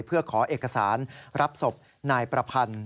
เพื่อขอเอกสารรับศพนายประพันธ์